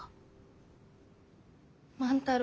万太郎。